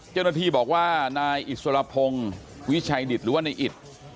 เจ้าหน้าที่บอกว่านายอิสรพงศ์วิชัยดิตหรือว่าในอิต